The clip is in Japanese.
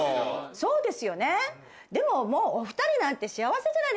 そうですよねでもお２人なんて幸せじゃないですか。